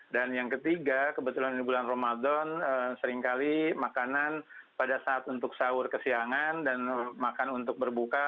dan yang ketiga kebetulan di bulan ramadan seringkali makanan pada saat untuk sahur kesiangan dan makan untuk berbuka